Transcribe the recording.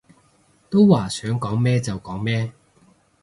都話想講咩就講咩